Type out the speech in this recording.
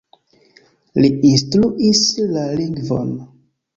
Li instruis la lingvon.